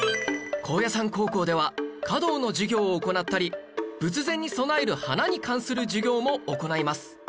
高野山高校では華道の授業を行ったり仏前に供える花に関する授業も行います